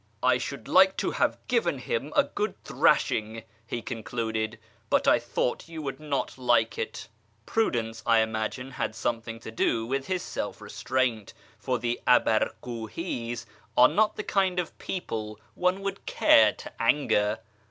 " I should like to have given him a good thrashing," he concluded, " but I thought you would not like it." Prudence, I imagine, had something to do with his self restraint, for the Abarkiihis are not the kind of people one would care to anger.